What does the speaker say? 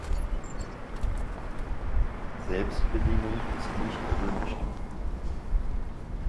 Selbstbedienung ist nicht erwünscht.